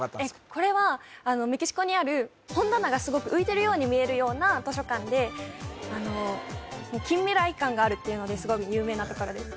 これはあのメキシコにある本棚がすごく浮いてるように見えるような図書館であの近未来感があるっていうのですごく有名なところです